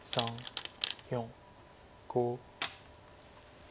４５。